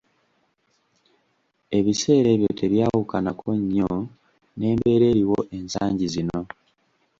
Ebiseera ebyo tebyawukanako nnyo n'embeera eriwo ensangi zino.